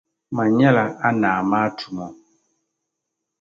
Mani nyɛla a Naa maa tumo.